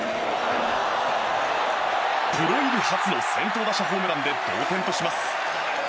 プロ入り初の先頭打者ホームランで同点とします。